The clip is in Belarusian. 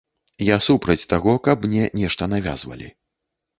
Я супраць таго, каб мне нешта навязвалі.